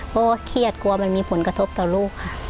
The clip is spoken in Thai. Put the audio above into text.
เพราะว่าเครียดกลัวมันมีผลกระทบต่อลูกค่ะ